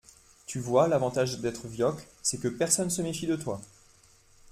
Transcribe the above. Tu vois l’avantage d’être vioque c’est que personne se méfie de toi.